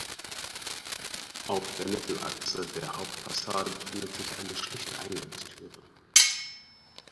Auf der Mittelachse der Hauptfassade befindet sich eine schlichte Eingangstüre.